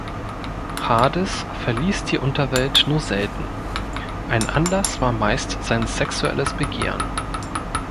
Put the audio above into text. Hades verließ die Unterwelt nur selten; ein Anlass war meist sein sexuelles Begehren.